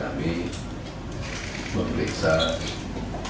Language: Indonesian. yang melibatkan kresirich helena lim dan harvey moise